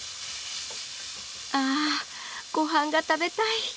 あごはんが食べたい！